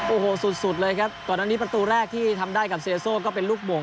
โอ้โหสุดสุดเลยครับก่อนอันนี้ประตูแรกที่ทำได้กับเซียโซ่ก็เป็นลูกบ่ง